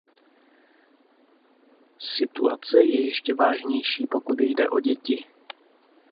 Situace je ještě vážnější, pokud jde o děti.